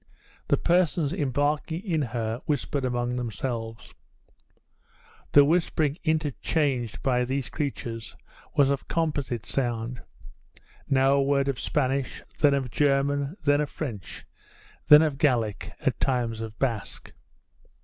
The persons embarking in her whispered among themselves. The whispering interchanged by these creatures was of composite sound now a word of Spanish, then of German, then of French, then of Gaelic, at times of Basque.